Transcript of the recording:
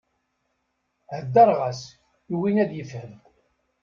Heddreɣ-as, yugi ad ifhem.